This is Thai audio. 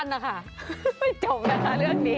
ไม่จบนะคะเรื่องนี้